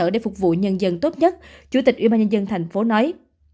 để phục vụ nhân dân tốt nhất chủ tịch ubnd thành phố nói